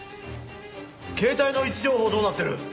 携帯の位置情報どうなってる？